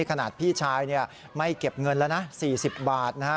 ขนาดพี่ชายไม่เก็บเงินแล้วนะ๔๐บาทนะฮะ